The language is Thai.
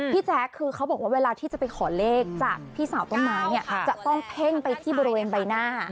แจ๊คคือเขาบอกว่าเวลาที่จะไปขอเลขจากพี่สาวต้นไม้เนี่ยจะต้องเพ่งไปที่บริเวณใบหน้า